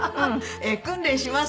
訓練します。